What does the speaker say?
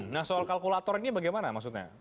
nah soal kalkulator ini bagaimana maksudnya